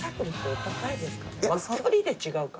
距離で違うか。